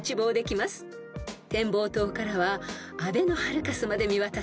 ［展望塔からはあべのハルカスまで見渡せ